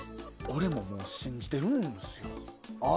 俺も信じてるんですよ。